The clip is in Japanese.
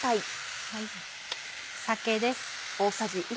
酒です。